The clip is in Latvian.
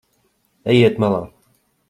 Ejiet malā.